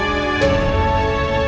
karena ibu ini kayak keusra